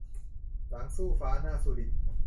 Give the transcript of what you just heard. หลังสู้ฟ้าหน้าสู้ดิน